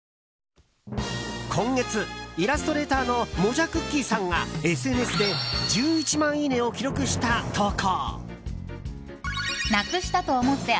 今月イラストレーターのもじゃクッキーさんがＳＮＳで１１万いいねを記録した投稿。